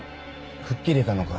吹っ切れたのか？